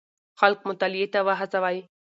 خلک مطالعې ته وهڅوئ.